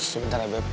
sebentar ya beb